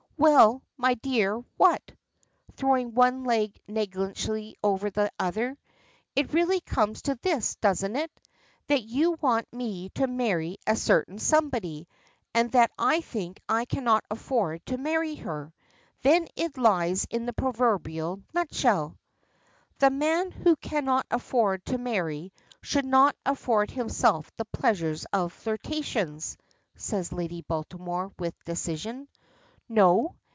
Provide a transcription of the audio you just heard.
"Well, my dear. What?" throwing one leg negligently over the other. "It really comes to this, doesn't it? That you want me to marry a certain somebody, and that I think I cannot afford to marry her. Then it lies in the proverbial nutshell." "The man who cannot afford to marry should not afford himself the pleasures of flirtations," says Lady Baltimore, with decision. "No?